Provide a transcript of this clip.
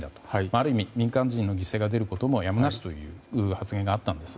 ある意味民間人の犠牲が出ることはやむなしという発言があったんです。